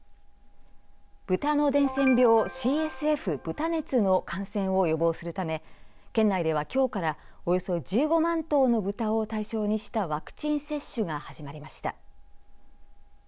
豚の伝染病ＣＳＦ、豚熱の感染を予防するため県内では、きょうからおよそ１５万頭の豚を対象にしたワクチン接種が始まりました。